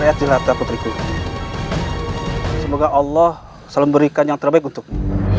istilatah putriku semoga allah selalu memberikan yang terbaik untukmu